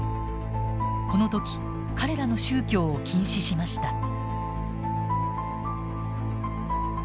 この時彼らの宗教を禁止しました。